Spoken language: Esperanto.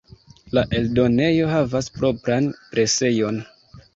La eldonejo havas propran presejon.